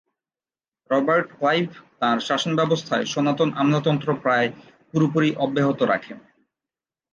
Robert Clive তাঁর শাসনব্যবস্থায় সনাতন আমলাতন্ত্র প্রায় পুরোপুরি অব্যাহত রাখেন।